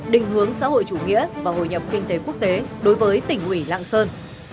đình hướng xã hội chủ nghĩa và hồi nhập kinh tế quốc tế đối với tỉnh ủy lạng sơn